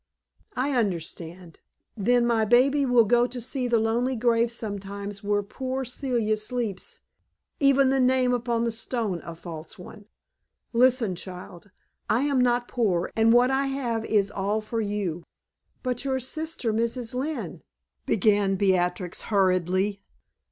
"I understand. Then my baby will go to see the lonely grave sometimes where poor Celia sleeps even the name upon the stone a false one. Listen, child; I am not poor, and what I have is all for you." "But your sister, Mrs. Lynne " began Beatrix, hurriedly.